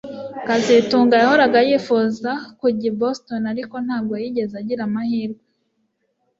kazitunga yahoraga yifuza kujya i Boston ariko ntabwo yigeze agira amahirwe